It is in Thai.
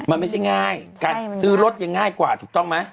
มันไม่ใช่ง่ายการซื้อรถยังง่ายกว่าถูกต้องไหม